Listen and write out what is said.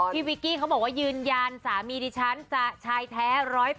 วิกกี้เขาบอกว่ายืนยันสามีดิฉันจะชายแท้๑๐๐